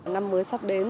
năm mới sắp đến